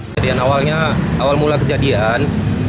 kejadian awalnya awal mula kejadian